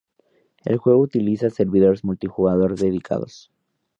El juego utiliza servidores multijugador dedicados.